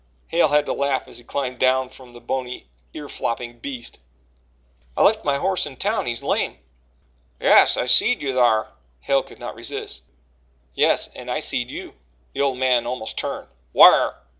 Hale had to laugh as he climbed down from the bony ear flopping beast. "I left my horse in town he's lame." "Yes, I seed you thar." Hale could not resist: "Yes, and I seed you." The old man almost turned. "Whar?"